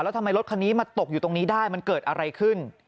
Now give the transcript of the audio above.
แล้วทำไมรถคันนี้มาตกอยู่ตรงนี้ได้มันเกิดอะไรขึ้น